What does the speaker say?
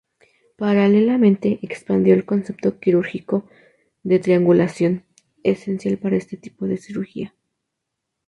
Paralelamente expandió el concepto quirúrgico de "triangulación", esencial para este tipo de cirugía.